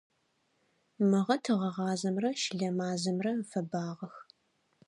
Мыгъэ тыгъэгъазэмрэ щылэ мазэмрэ фэбагъэх.